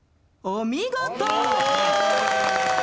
お見事！